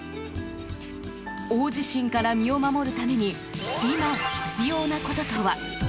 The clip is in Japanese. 大地震から身を守るために今、必要なこととは。